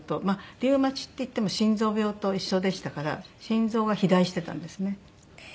リウマチっていっても心臓病と一緒でしたから心臓が肥大してたんですね。